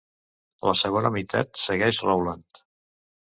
La segona meitat segueix Rowland.